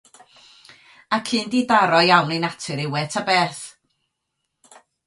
Ac un didaro iawn ei natur yw e ta beth.